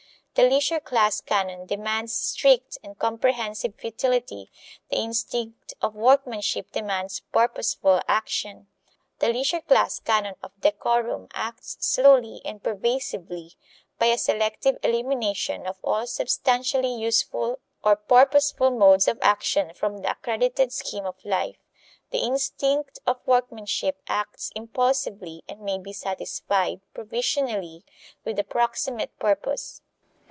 The leisure class canon demands strict and comprehensive futility, the instinct of workmanship demands purposeful action. The leisure class canon of decorum acts slowly and pervasively, by a selective elimination of all substantially useful or purposeful modes of action from the accredited scheme of life; the instinct of workmanship acts impulsively and may be satisfied, provisionally, with a proximate purpose.